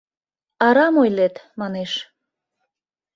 Арам ойлет, манеш.